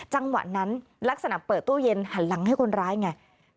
จังหวะนั้นลักษณะเปิดตู้เย็นหันหลังให้คนร้ายไง